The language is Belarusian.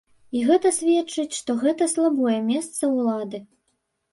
І гэта сведчыць, што гэта слабое месца улады.